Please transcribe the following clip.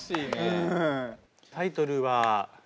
タイトルは。